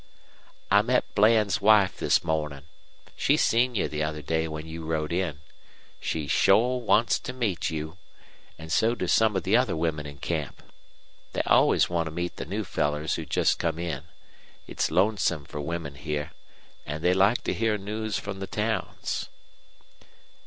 "I met Bland's wife this mornin'. She seen you the other day when you rode in. She shore wants to meet you, an' so do some of the other women in camp. They always want to meet the new fellers who've just come in. It's lonesome for women here, an' they like to hear news from the towns."